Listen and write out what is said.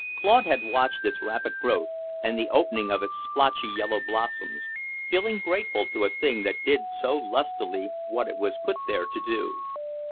Claude had watched its rapid growth and the opening of its splotchy yellow blossoms, feeling grateful to a thing that did so lustily what it was put there to do.